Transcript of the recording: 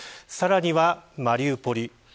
さらには、マリウポリ。